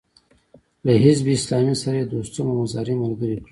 له حزب اسلامي سره يې دوستم او مزاري ملګري کړل.